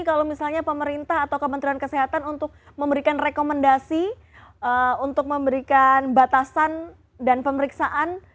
kalau misalnya pemerintah atau kementerian kesehatan untuk memberikan rekomendasi untuk memberikan batasan dan pemeriksaan